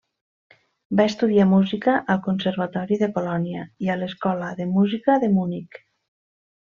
Va estudiar música al Conservatori de Colònia i a l'Escola de Música de Munic.